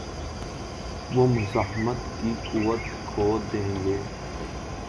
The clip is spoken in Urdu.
وہ مزاحمت کی قوت کھو دیں گے۔